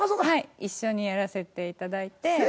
はい一緒にやらせていただいて。